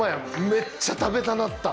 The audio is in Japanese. めっちゃ食べたなった。